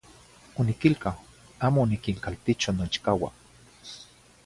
Oniquilcau, amo oniquincalticho noichcaua.